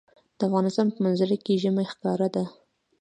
د افغانستان په منظره کې ژمی ښکاره ده.